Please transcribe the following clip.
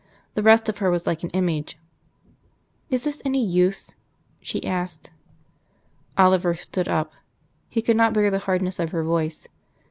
The rest of her was like an image. "Is this any use?" she asked. Oliver stood up. He could not bear the hardness of her voice.